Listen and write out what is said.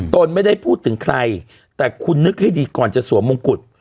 ตนไม่ได้พูดถึงใครแต่คุณนึกให้ดีก่อนจะสวมมงกุฎ